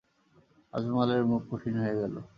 আজমলের মুখ কঠিন হয়ে গেল।